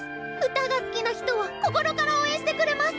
歌が好きな人を心から応援してくれマス！